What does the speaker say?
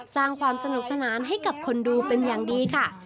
สร้างความสนุกสนานให้กับคนดูเป็นอย่างดีค่ะ